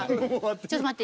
ちょっと待って。